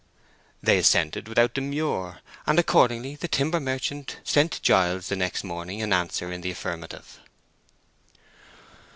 They assented without demur, and accordingly the timber merchant sent Giles the next morning an answer in the affirmative.